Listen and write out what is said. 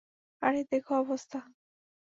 আরে, দেখো অবস্থা।